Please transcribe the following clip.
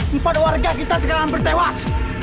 kepada warga kita sekarang bertewas